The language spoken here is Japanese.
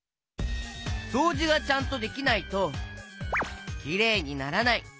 そうじがちゃんとできないときれいにならない！